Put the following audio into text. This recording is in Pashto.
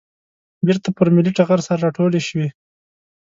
بېرته پر ملي ټغر سره راټولې شوې.